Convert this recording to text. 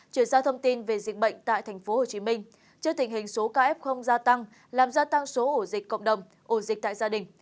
chuyển sang thông tin về dịch bệnh tại tp hcm trước tình hình số ca f gia tăng làm gia tăng số ổ dịch cộng đồng ổ dịch tại gia đình